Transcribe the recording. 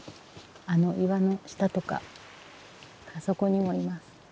あの岩の下とかあそこにもいます。